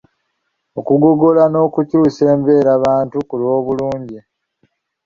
Okugogola n’okukyusa embeerabantu ku lw’obulungi.